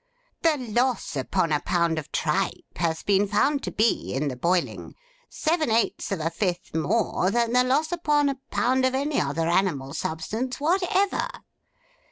The loss upon a pound of tripe has been found to be, in the boiling, seven eights of a fifth more than the loss upon a pound of any other animal substance whatever.